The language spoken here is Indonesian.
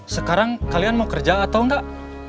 sekarang kalian mau kerja atau enggak